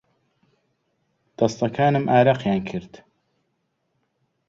دەستەکانم ئارەقیان کرد.